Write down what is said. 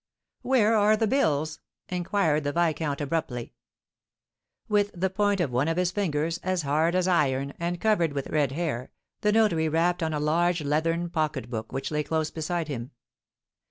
"Where are the bills?" inquired the viscount, abruptly. With the point of one of his fingers, as hard as iron, and covered with red hair, the notary rapped on a large leathern pocket book which lay close beside him.